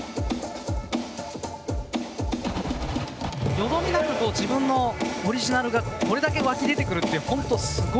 よどみなく自分のオリジナルがこれだけ湧き出てくるって本当すごいことだと。